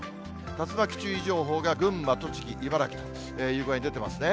竜巻注意情報が群馬、栃木、茨城という具合に出てますね。